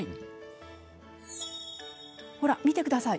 ほら、見てください。